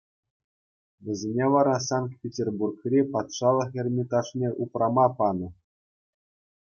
Вӗсене вара Санкт-Петербургри Патшалӑх Эрмитажне упрама панӑ.